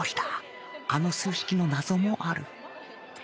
あの数式の謎もある